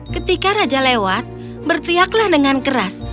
ketika raja lewat berteriaklah dengan keras